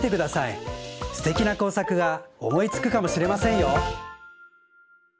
すてきなこうさくがおもいつくかもしれませんよ。